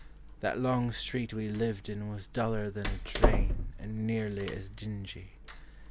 The long street we lived in Was duller than a drain And nearly as dingy.